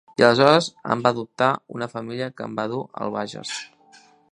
I aleshores em va adoptar una família que em va dur al Bages.